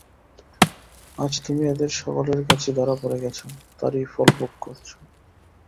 আজ তুমি এঁদের সকলের কাছেই ধরা পড়ে গেছ, তারই ফলভোগ করছ।